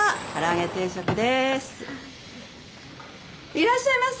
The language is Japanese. いらっしゃいませ。